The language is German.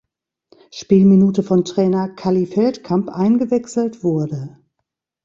Spielminute von Trainer „Kalli“ Feldkamp eingewechselt wurde.